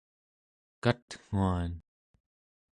katnguan